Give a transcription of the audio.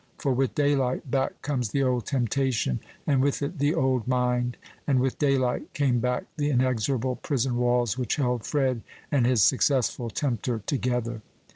for with daylight back comes the old temptation, and with it the old mind; and with daylight came back the inexorable prison walls which held Fred and his successful tempter together.